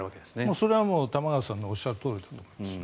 それはもう玉川さんのおっしゃるとおりだと思いますね。